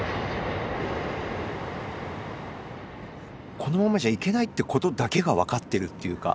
このままじゃいけないということだけが分かってるというか。